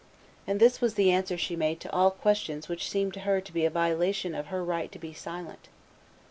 And this was the answer she made to all questions which seemed to her to be a violation of her right to be silent.